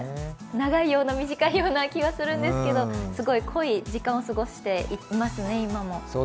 長いような短いような気がするんですけれどもすごい濃い時間を過ごしていますね、今も。